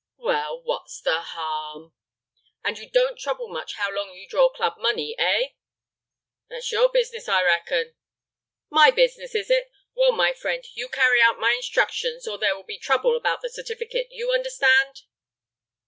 "Well, what's the harm?" "And you don't trouble much how long you draw club money, eh?" "That's your business, I reckon." "My business, is it? Well, my friend, you carry out my instructions or there will be trouble about the certificate. You understand?"